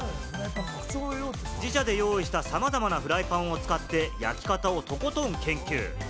自社で用意したさまざまなフライパンを使って、焼き方をとことん研究。